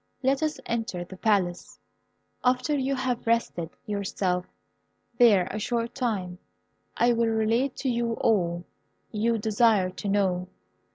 Let us enter the Palace. After you have rested yourself there a short time I will relate to you all you desire to know.